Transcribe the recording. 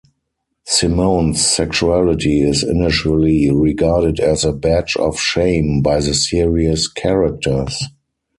Simone's sexuality is initially regarded as "a badge of shame" by the series' characters.